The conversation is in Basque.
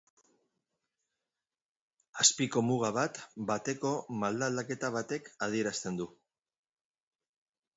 Azpiko muga bat bateko malda-aldaketa batek adierazten du.